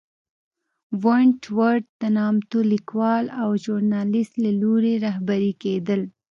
ونټ ورت د نامتو لیکوال او ژورنالېست له لوري رهبري کېدل.